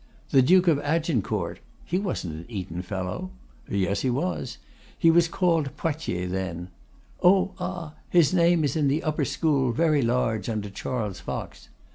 The Duke of Agincourt. He wasn't an Eton fellow? Yes, he was. He was called Poictiers then. Oh! ah! his name is in the upper school, very large, under Charles Fox.